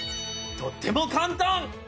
とっても簡単！